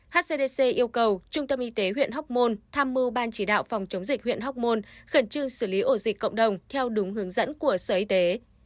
hcdc yêu cầu trung tâm y tế huyện hóc môn tham mưu ban chỉ đạo phòng chống dịch huyện hóc môn khẩn trương xử lý ổ dịch cộng đồng theo đúng hướng dẫn của sở y tế